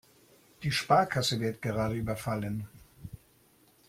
Die Sparkasse wird gerade überfallen.